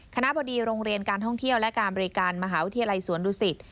บดีโรงเรียนการท่องเที่ยวและการบริการมหาวิทยาลัยสวนดุสิต